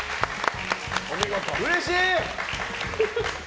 うれしい！